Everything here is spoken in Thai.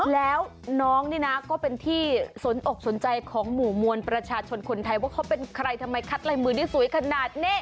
แล้วน้องนี่นะก็เป็นที่สนอกสนใจของหมู่มวลประชาชนคนไทยว่าเขาเป็นใครทำไมคัดลายมือได้สวยขนาดนี้